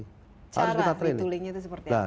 cara retulingnya itu seperti apa